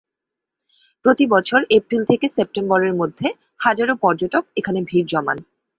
প্রতিবছর এপ্রিল থেকে সেপ্টেম্বরের মধ্যে হাজারো পর্যটক এখানে ভীড় জমান।